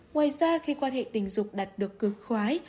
ngoài ra khi quan hệ tình dục đạt được cướng khoái